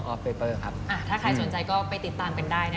ถ้าใครสนใจก็ไปติดตามได้โอเค